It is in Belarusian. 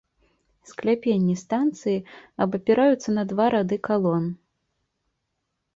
Скляпенні станцыі абапіраюцца на два рады калон.